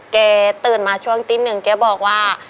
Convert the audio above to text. เกตื่นมาช่วงนึงเก้าบอกว่า